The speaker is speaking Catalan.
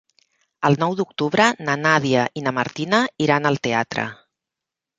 El nou d'octubre na Nàdia i na Martina iran al teatre.